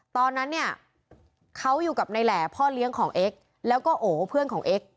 ตอนนั้นเนี่ยเขาอยู่กับในแหล่พ่อเลี้ยงของเอ็กซ์แล้วก็โอเพื่อนของเอ็กซ